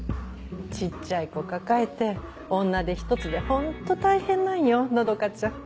小っちゃい子抱えて女手ひとつでホント大変なんよ和佳ちゃん。